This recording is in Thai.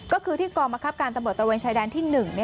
ก็คือที่กองบังคับการตำรวจตระเวนชายแดนที่๑